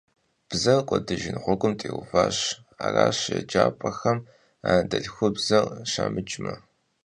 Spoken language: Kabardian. Бзэр кӀуэдыжын гъуэгум теувауэ аращ еджапӀэхэм анэдэлъхубзэр щамыджмэ.